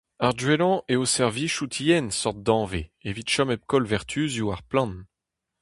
Ar gwellañ eo servijout yen seurt danvez, evit chom hep koll vertuzioù ar plant.